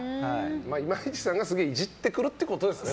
今市さんがすげえイジってくるということですね。